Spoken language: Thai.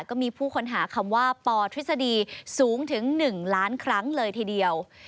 ก็มีผู้ค้นหาคำว่าปธฤษฎีสูงถึง๑ล้านครั้งเลยทีเดียว